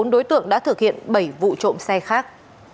bốn đối tượng đã thực hiện bảy vụ trộm xe khác